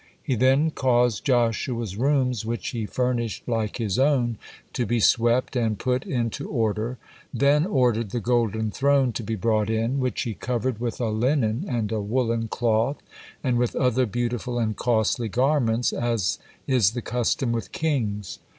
He then caused Joshua's rooms, which he furnished like his own, to be swept and put into order, the ordered the golden throne to be brought in, which he covered with a linen and a woolen cloth, and with other beautiful and costly garments, as in the custom with kings.